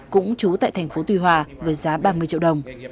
cũng trú tại thành phố tuy hòa với giá ba mươi triệu đồng